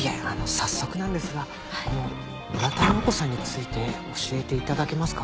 早速なんですがこの浦田陽子さんについて教えて頂けますか？